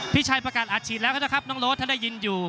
พี่ชัยประกาศอัดฉีดแล้วกันนะครับน้องโรสถ้าได้ยินอยู่